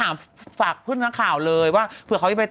มันรอสื้อ